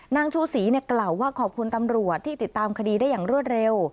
นางชูศรีกล่าวว่าขอบคุณตำรวจที่ติดตามคดีได้อย่างรวดเร็ว